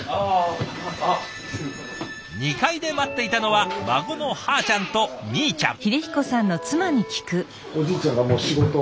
２階で待っていたのは孫のはーちゃんとみーちゃん。